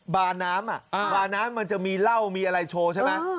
บาน้ำบาน้ำมันจะมีเหล้ามีอะไรโชว์ใช่ไหม